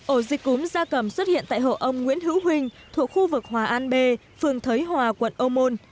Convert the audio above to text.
ổ dịch cúm gia cầm xuất hiện tại hộ ông nguyễn hữu huynh thuộc khu vực hòa an b phường thấy hòa quận ô môn